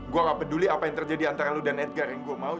gue gak peduli apa yang terjadi antara lo dan edgar yang gue mau